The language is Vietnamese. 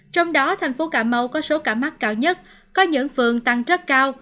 trong đó thành phố cà mau có số ca mắc cao nhất có những phường tăng rất cao